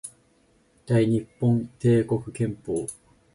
大日本帝国憲法